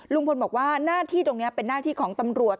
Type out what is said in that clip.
ลุงพลบอกว่าหน้าที่ตรงนี้เป็นหน้าที่ของตำรวจ